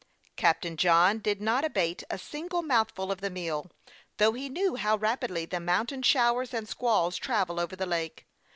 Captain John did not abate a single mouthful of the meal, though he knew how rapidly the mountain showers and squalls travel over the lake.